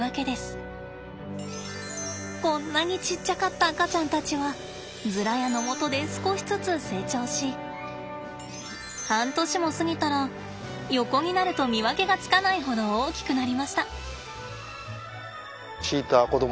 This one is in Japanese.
こんなにちっちゃかった赤ちゃんたちはズラヤのもとで少しずつ成長し半年も過ぎたら横になると見分けがつかないほど大きくなりました。